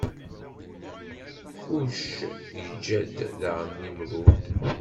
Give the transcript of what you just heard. Kuc iǧǧa-d daɣen Nimrud.